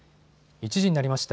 １時になりました。